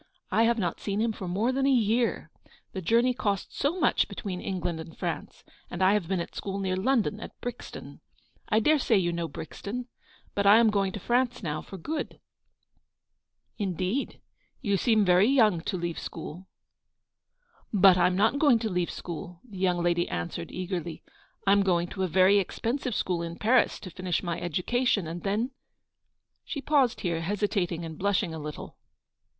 1 have not seen him for more than a year. The journey costs so much between England and France, and I have been at school near London, at Brixton ; I dare say you know Brixton ; but I am going to France now, for good." " Indeed ! You seem very young to leave school." " But I'm not going to leave school/' the young lady answered, eagerly. " I am going to a very expensive school in Paris, to finish my education ; and then —" She paused here, hesitating and blushing a little.